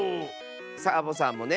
サボさんもね！